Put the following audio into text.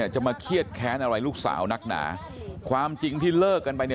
จะมาเครียดแค้นอะไรลูกสาวนักหนาความจริงที่เลิกกันไป